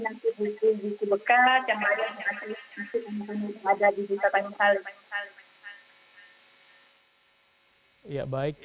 yang ada di baca tansal